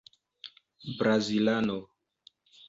brazilano